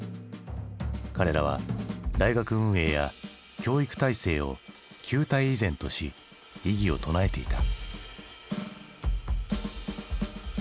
彼らは大学運営や教育体制を「旧態依然」とし異議を唱えていた。